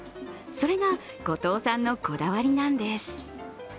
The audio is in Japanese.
それが後藤さんのこだわりなんです。